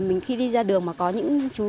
mình khi đi ra đường mà có những chú